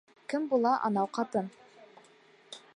— Кем була анау ҡатын?